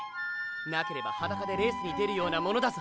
なければ裸でレースに出るようなものだぞ。